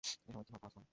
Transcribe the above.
এসময় কি ভাববো, আসলাম?